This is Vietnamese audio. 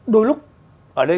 đôi lúc ở đây